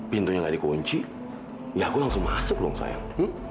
pintunya gak dikunci ya aku langsung masuk dong sayang